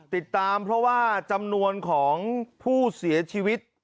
ติดตามเพราะว่าจำนวนของผู้เสียชีวิต